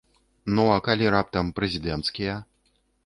А ну калі раптам прэзідэнцкія?